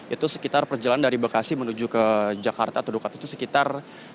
itu sekitar perjalanan dari bekasi menuju ke jakarta atau duka atas itu sekitar